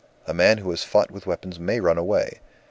A man who has fought with weapons may run away.